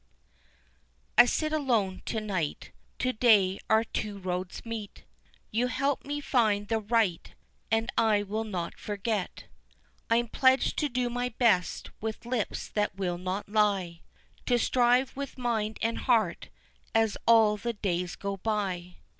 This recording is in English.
I sit alone, to night to day our two roads meet, You helped me find the right, and I will not forget; I'm pledged to do my best with lips that will not lie, To strive with mind and heart as all the days go by.